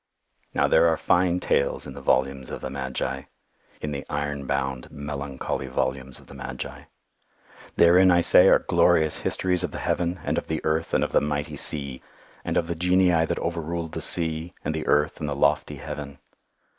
Now there are fine tales in the volumes of the Magi—in the iron bound, melancholy volumes of the Magi. Therein, I say, are glorious histories of the Heaven, and of the Earth, and of the mighty sea—and of the Genii that over ruled the sea, and the earth, and the lofty heaven.